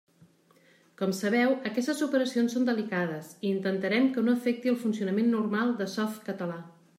Com sabeu aquestes operacions són delicades i intentarem que no afecti el funcionament normal de Softcatalà.